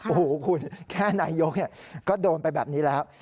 โอ้โหคุณแค่นายกก็โดนไปแบบนี้แล้ว